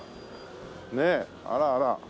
ねえあらあら。